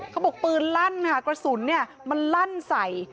เขาบอกปืนลั่นค่ะกระสุนนี่มันลั่นใส่